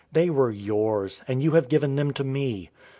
They were yours, and you have given them to me.